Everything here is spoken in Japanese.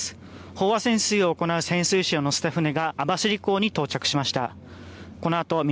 飽和潜水を行う潜水士を乗せた船が網走港に到着しました。